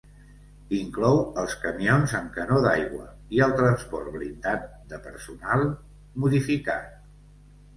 Inclou els camions amb canó d'aigua i el transport blindat de personal modificat.